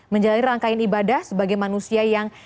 menjalani rangkaian ibadah sebagai manusia yang